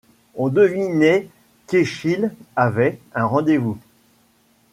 On devinait qu'Eschyle avait, un rendez-vous